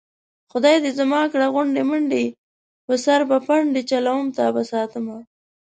خدای دې زما کړه غونډې منډې په سر به پنډې چلوم تابه ساتمه